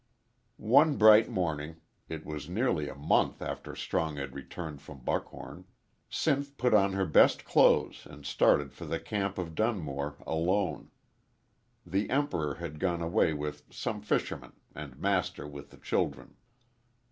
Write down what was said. One bright morning it was nearly a month after Strong had returned from Buckhom Sinth put on her best clothes and started for the camp of Dunmore alone. The Emperor had gone away with some fishermen and Master with the children.